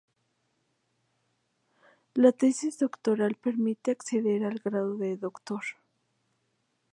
La tesis doctoral permite acceder al grado de Doctor.